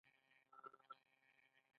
آیا کاناډا د نړۍ معدني ځواک نه دی؟